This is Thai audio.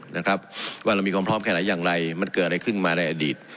นะครับว่าเรามีความพร้อมแค่ไหนอย่างไรมันเกิดอะไรขึ้นมาในอดีต